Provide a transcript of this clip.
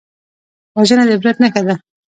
وژنه د عبرت نښه ده